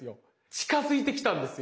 近づいてきたんですよ。